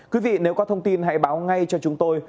quý vị nếu có thông tin hãy báo ngay cho chúng tôi